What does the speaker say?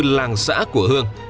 làng xã của hường